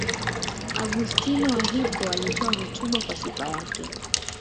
Augustino wa Hippo alitoa hotuba kwa sifa yake.